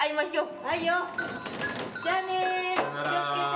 じゃあね気を付けて。